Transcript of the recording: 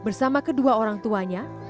bersama kedua orang tuanya